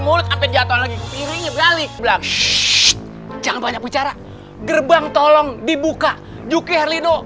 so burung berbeda agak ramu mati tuh ini kehilangan beres masih tiada band best dari teman teman apa ni berpengen pengen